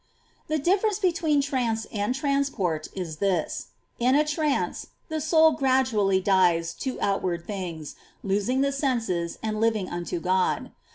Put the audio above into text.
10. The difference between trance and transport^ tanspor?^ IS this, — in a trance the soul gradually dies to out ward things, losing the senses and living unto God.